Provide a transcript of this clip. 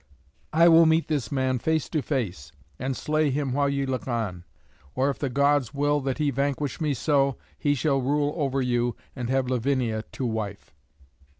I will meet this man face to face, and slay him while ye look on; or, if the Gods will that he vanquish me so, he shall rule over you, and have Lavinia to wife."